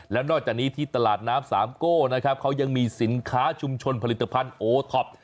แล้วนอกจากนี้ที่ตลาดน้ำสามโก้นะครับเขายังมีสินค้าชุมชนผลิตภัณฑ์โอท็อป